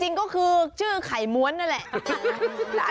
จริงก็คือชื่อไข่ม้วนนั่นแหละ